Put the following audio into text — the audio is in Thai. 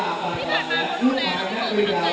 พี่แบบการดูแลมันคืออะไร